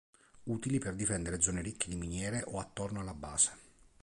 Utili per difendere zone ricche di miniere o attorno alla base.